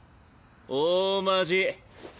大マジ。